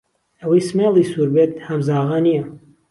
ئهوهی سمێڵی سوور بێت ههمزاغا نیه